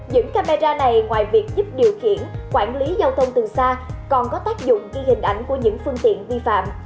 những camera này ngoài việc giúp điều khiển quản lý giao thông từ xa còn có tác dụng khi hình ảnh của những phương tiện vi phạm